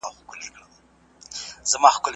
محصلان باید په ادبي موضوعاتو څېړنې وکړي.